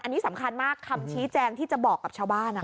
อันนี้สำคัญมากคำชี้แจงที่จะบอกกับชาวบ้าน